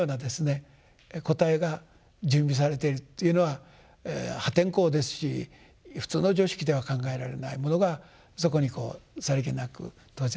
答えが準備されているというのは破天荒ですし普通の常識では考えられないものがそこにこうさりげなく投ぜられていくと。